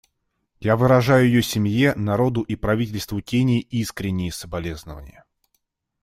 Я выражаю ее семье, народу и правительству Кении искренние соболезнования.